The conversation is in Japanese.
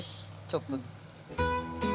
ちょっとずつ。